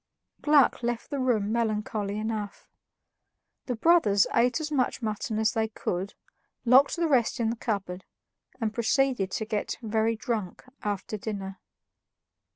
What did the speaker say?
Gluck left the room melancholy enough. The brothers ate as much mutton as they could, locked the rest in the cupboard, and proceeded to get very drunk after dinner.